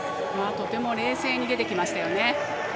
とても冷静に出てきましたよね。